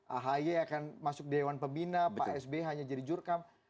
ahy akan masuk dewan pembina pak sby hanya jadi jurkam